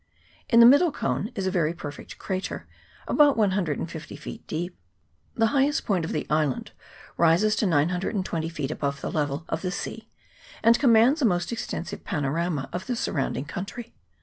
In the middle cone is a very perfect crater, about 150 feet deep. The highest point of the island rises to 920 feet above the level of the sea, and com mands a most extensive panorama of the surround ing country.